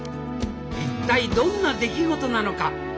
一体どんな出来事なのかお楽しみに。